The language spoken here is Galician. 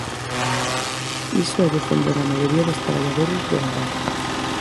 Iso é defender a maioría dos traballadores do naval.